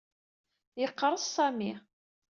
Yeqres Sami.